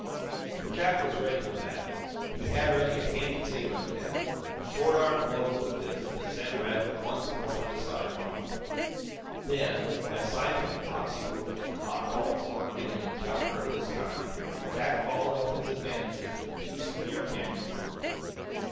But Jack was ready for that. He had ready a handy sailor jab a short arm blow with the fist that sent Radwin once more to the sidewalk. Then, as scientific boxing rules were not called for in an encounter of this kind, Jack followed up his advantages with two severe kicks.